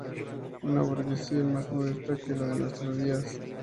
Una burguesía más modesta que la de nuestros días".